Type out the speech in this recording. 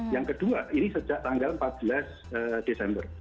yang kedua ini sejak tanggal empat belas desember